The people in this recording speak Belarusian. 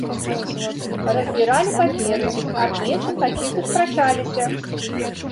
Разбіралі паперы, аб нечым паціху спрачаліся.